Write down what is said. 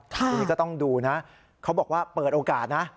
ทีนี้ก็ต้องดูนะเขาบอกว่าเปิดโอกาสนะ